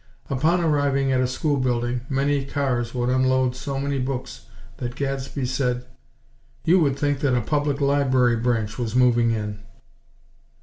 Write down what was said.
Upon arriving at a school building, many cars would unload so many books that Gadsby said: "You would think that a Public Library branch was moving in!"